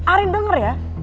arin denger ya